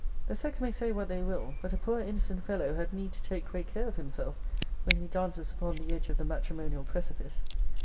The sex may say what they will, but a poor innocent fellow had need to take great care of himself, when he dances upon the edge of the matrimonial precipice.